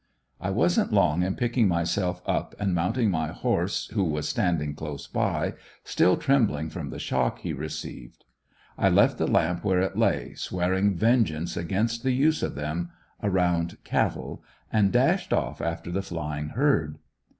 I wasn't long in picking myself up and mounting my horse who was standing close by, still trembling from the shock he received. I left the lamp where it lay, swearing vengeance against the use of them, around cattle, and dashed off after the flying herd.